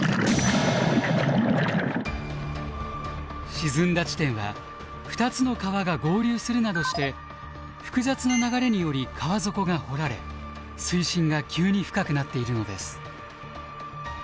沈んだ地点は２つの川が合流するなどして複雑な流れにより川底が掘られ水深が急に深くなっているのです。